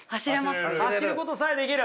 走ることさえできる。